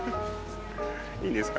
いいんですか？